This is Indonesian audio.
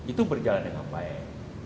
itu berjalan dengan baik